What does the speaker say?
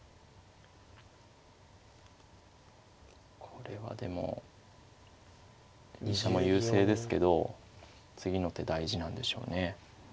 これはでも居飛車も優勢ですけど次の手大事なんでしょうね。